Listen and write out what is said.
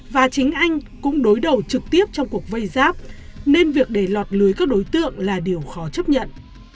và chính anh cũng đối đầu trực tiếp trong cuộc vây giáp nên việc để lọt lưới các đối tượng là điều khó chấp nhận